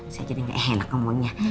saya jadi gak enak ngomongnya